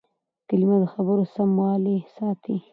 کلیمه د خبرو سموالی ساتي.